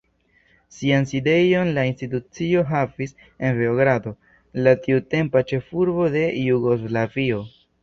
Sian sidejon la institucio havis en Beogrado, la tiutempa ĉefurbo de Jugoslavio.